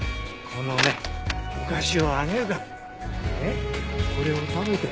このねお菓子をあげるからね。